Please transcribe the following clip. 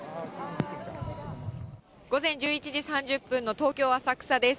午前１１時３０分の東京・浅草です。